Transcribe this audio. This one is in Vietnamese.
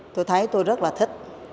tôi thấy tôi rất là thích